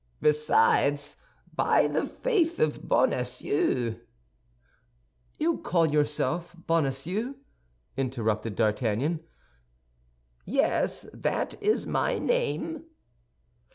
"Besides, by the faith of Bonacieux—" "You call yourself Bonacieux?" interrupted D'Artagnan. "Yes, that is my name."